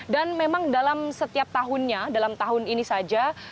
dan memang dalam setiap tahunnya dalam tahun ini saja